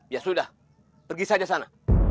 ya sudah pergi saja sana